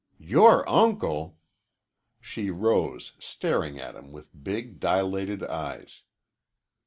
"Your uncle?" She rose, staring at him with big, dilated eyes.